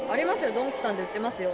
ドンキさんで売ってますよ。